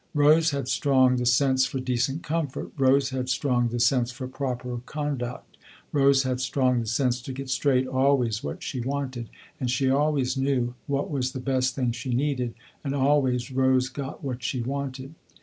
Rose had strong the sense for decent comfort, Rose had strong the sense for proper conduct, Rose had strong the sense to get straight always what she wanted, and she always knew what was the best thing she needed, and always Rose got what she wanted.